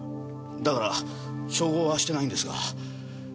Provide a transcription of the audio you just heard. だから照合はしてないんですが。